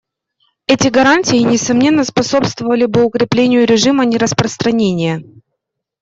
Эти гарантии, несомненно, способствовали бы укреплению режима нераспространения.